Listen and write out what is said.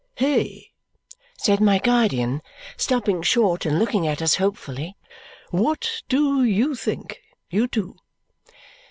Hey?" said my guardian, stopping short and looking at us hopefully. "What do you think, you two?"